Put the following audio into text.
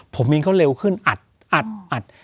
ผมวิ่งเขาเร็วขึ้นอัดอัดอัด